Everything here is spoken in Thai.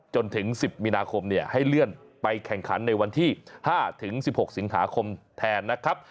จนถึง๑๐มีนาคมให้เลื่อนไปแข่งขันในวันที่๕๑๖สิงหาคมแทนนะครับ